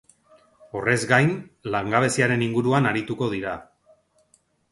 Horrez gain, langabeziaren inguruan arituko dira.